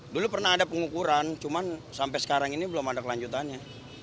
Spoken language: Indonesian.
dulu pernah ada pengukuran cuman sampai sekarang ini belum ada kelanjutannya